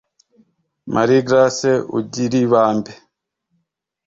Marie Grace Ugiribambe